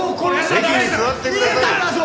席に座ってください。